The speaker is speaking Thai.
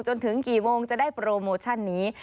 จนถึงกี่โมงจะได้โปรโมชั่นนี้